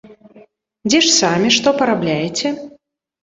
Дзе ж самі, што парабляеце?